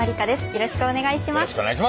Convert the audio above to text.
よろしくお願いします。